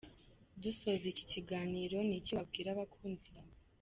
Dusoza iki kiganiro, ni iki wabwira abakunzi bawe?.